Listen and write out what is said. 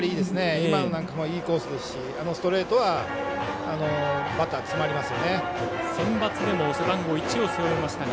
今のもいいコースですしストレートはバッター、詰まりますよね。